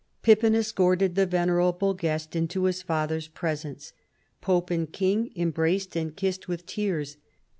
Pippin escorted the venerable guest into his father's presence. Pope and king embraced and kissed with tears.